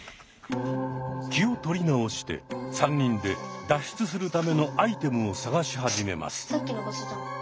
気を取り直して３人で脱出するためのアイテムを探し始めます。